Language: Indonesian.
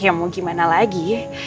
ya mau gimana lagi